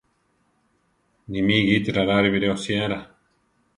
Nimí gite rarare biré oshiara.